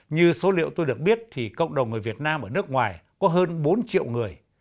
như số liệu tôi được biết thì cộng đồng người việt nam ở nước ngoài có hơn bốn triệu người